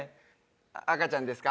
赤ちゃんですか？